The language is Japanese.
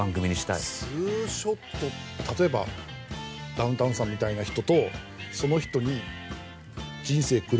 例えばダウンタウンさんみたいな人とその人に人生狂わされた人とか。